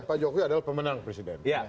pak jokowi adalah pemenang presiden